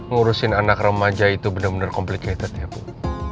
ngurusin anak remaja itu bener bener complicated ya pak